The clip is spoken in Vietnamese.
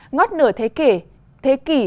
ngót nửa thế kỷ